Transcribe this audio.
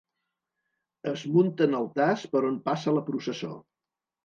Es munten altars per on passa la processó.